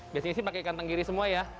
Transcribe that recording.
biasanya sih pakai ikan tenggiri semua ya